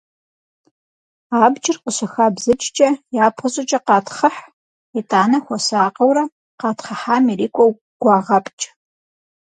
Абджыр къыщыхабзыкӏкӏэ, япэ щӏыкӏэ къатхъыхь, итӏанэ хуэсакъыурэ къэтхъыхьам ирикӏуэу гуагъэпкӏ.